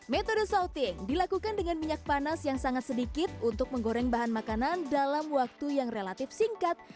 metode souting dilakukan dengan minyak panas yang sangat sedikit untuk menggoreng bahan makanan dalam waktu yang relatif singkat